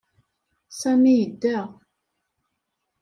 Sami yedda.